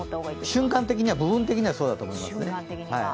瞬間的に、部分的にはそうだと思いますね。